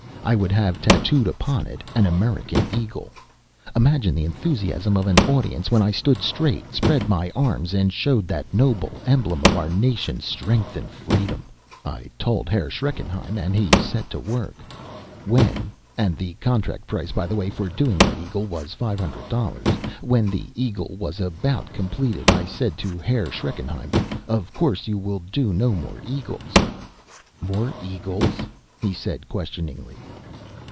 I would have tattooed upon it an American eagle. Imagine the enthusiasm of an audience when I stood straight, spread my arms and showed that noble emblem of our nation's strength and freedom! I told Herr Schreckenheim and he set to work. When and the contract price, by the way, for doing that eagle was five hundred dollars when the eagle was about completed, I said to Herr Schreckenheim, 'Of course you will do no more eagles?' "'More eagles?' he said questioningly.